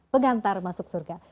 pegantar masuk surga